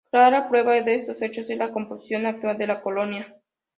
Clara prueba de estos hechos es la composición actual de la colonia.